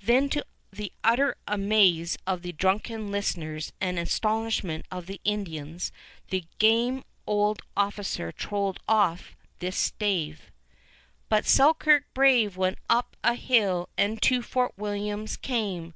Then to the utter amaze of the drunken listeners and astonishment of the Indians, the game old officer trolled off this stave: "But Selkirk brave went up a hill, and to Fort William came!